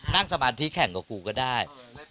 นั่งสมาธิแข่งกว่ากูก็ได้